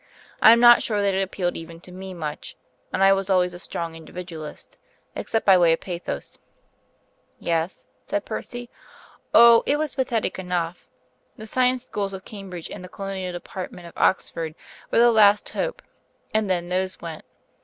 I am not sure that it appealed even to me much (and I was always a strong Individualist) except by way of pathos " "Yes?" said Percy. "Oh, it was pathetic enough. The Science Schools of Cambridge and the Colonial Department of Oxford were the last hope; and then those went.